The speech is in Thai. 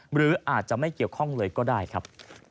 หรืออาจจะไม่เกี่ยวข้องเลยก็ได้ครับ